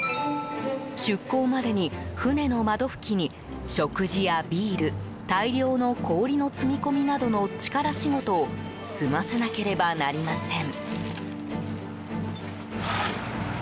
出航までに船の窓拭きに、食事やビール大量の氷の積み込みなどの力仕事を済ませなければなりません。